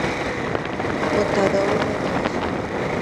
متداومه کېږي.